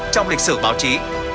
trong lịch sử báo chí